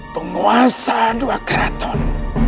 penguasa dua keraton